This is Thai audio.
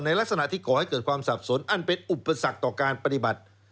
ลักษณะที่ก่อให้เกิดความสับสนอันเป็นอุปสรรคต่อการปฏิบัติ